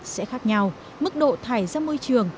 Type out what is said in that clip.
sẽ khác nhau mức độ thải ra môi trường